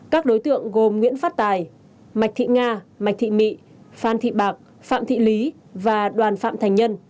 các đối tượng gồm nguyễn phát tài mạch thị nga mạc thị mị phan thị bạc phạm thị lý và đoàn phạm thành nhân